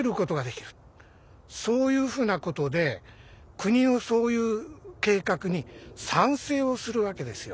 そういうふうなことで国のそういう計画に賛成をするわけですよ。